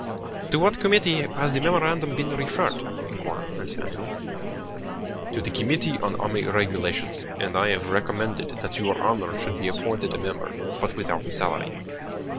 "To what committee has the memorandum been referred?" inquired Prince Andrew. "To the Committee on Army Regulations, and I have recommended that your honor should be appointed a member, but without a salary."